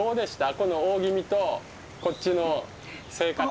この大宜味とこっちの生活。